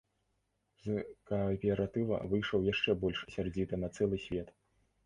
З кааператыва выйшаў яшчэ больш сярдзіты на цэлы свет.